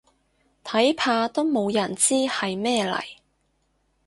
睇怕都冇人知係咩嚟